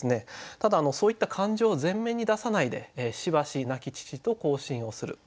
ただそういった感情を前面に出さないで「しばし亡父と交信をする」